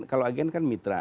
kalau agen kan mitra